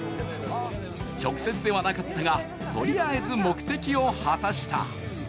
直接ではなかったが、とりあえず目的を果たした。